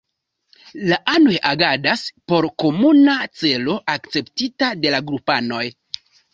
La anoj agadas por komuna celo, akceptita de la grupanoj.